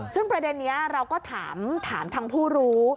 ซึ่งประเด็นนี้เราก็ถามทางผู้รู้